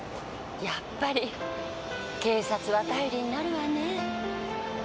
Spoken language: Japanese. やっぱり警察は頼りになるわねぇ。